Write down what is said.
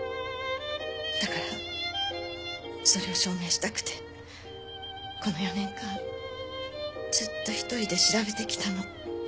だからそれを証明したくてこの４年間ずっと１人で調べてきたの。